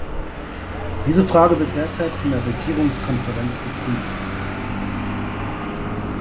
Diese Frage wird derzeit von der Regierungskonferenz geprüft.